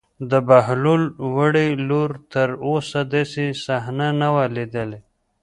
د بهلول وړې لور تر اوسه داسې صحنه نه وه لیدلې.